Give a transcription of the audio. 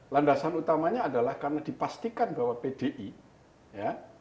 landasan utamanya adalah karena dipastikan bahwa pdi ya